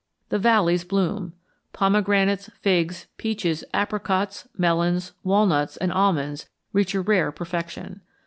The valleys bloom. Pomegranates, figs, peaches, apricots, melons, walnuts, and almonds reach a rare perfection.